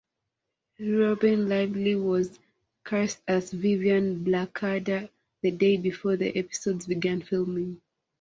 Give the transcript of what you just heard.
Robyn Lively was cast as Vivian Blackadder the day before the episodes began filming.